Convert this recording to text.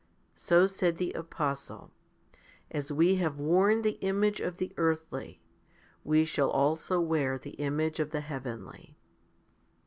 So said the apostle, As we have worn the image of the earthy, we shall also wear the image of the heavenly?